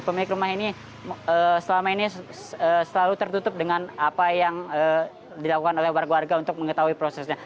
pemilik rumah ini selama ini selalu tertutup dengan apa yang dilakukan oleh warga warga untuk mengetahui prosesnya